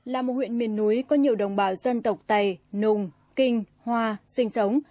là một huyện miền núi có nhiều đồng bào dân tộc tày nùng kinh hoa sinh sống